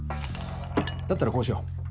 だったらこうしよう。